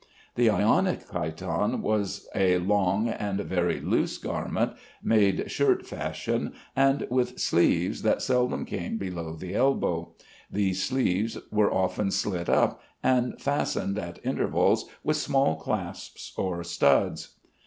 The Ionic chiton was a long and very loose garment, made shirt fashion, and with sleeves that seldom came below the elbow. These sleeves were often slit up, and fastened at intervals with small clasps or studs.